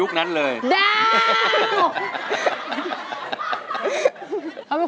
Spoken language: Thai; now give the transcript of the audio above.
กระแซะเข้ามาสิ